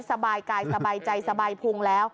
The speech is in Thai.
สบายใจสบายพุ่งแล้ว